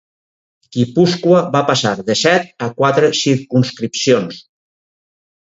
Guipúscoa va passar de set a quatre circumscripcions.